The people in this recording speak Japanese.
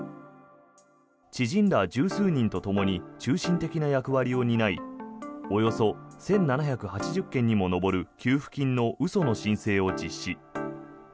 知人ら１０数人とともに中心的な役割を担いおよそ１７８０件にも上る給付金の嘘の申請を実施。